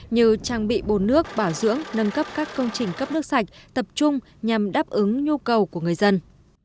như trang bị bồn nước bảo dưỡng nâng cấp các công trình cấp nước sạch tập trung nhằm đáp ứng nhu cầu của người dân